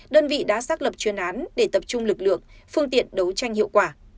đơn vị đã xác lập chuyên án để tập trung lực lượng phương tiện đấu tranh hiệu quả